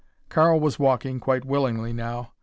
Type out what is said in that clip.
Karl was walking, quite willingly now.